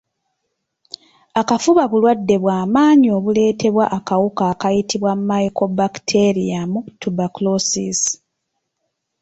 Akafuba bulwadde bwa maanyi obuleetebwa akawuka akayitibwa Mycobacterium Tuberculosis.